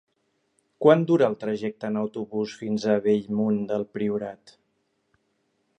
Quant dura el trajecte en autobús fins a Bellmunt del Priorat?